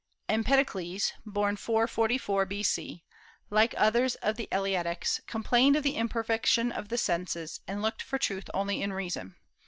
Empedocles, born 444 B.C., like others of the Eleatics, complained of the imperfection of the senses, and looked for truth only in reason.